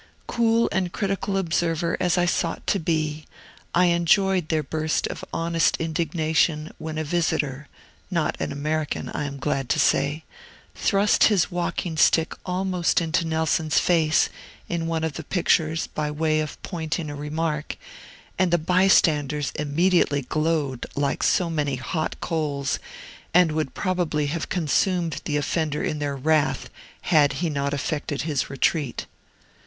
Cool and critical observer as I sought to be, I enjoyed their burst of honest indignation when a visitor (not an American, I am glad to say) thrust his walking stick almost into Nelson's face, in one of the pictures, by way of pointing a remark; and the bystanders immediately glowed like so many hot coals, and would probably have consumed the offender in their wrath, had he not effected his retreat.